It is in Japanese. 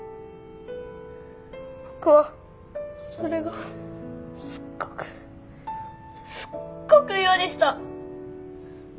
僕はそれがすっごくすっごく嫌でした！